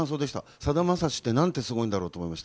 さだまさしってなんてすごいんだろうって思いました。